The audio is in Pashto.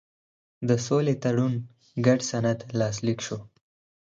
د سولې تړون ګډ سند لاسلیک شو.